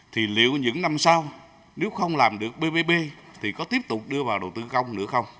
thì liệu những năm sau nếu không làm được ppp thì có tiếp tục đưa vào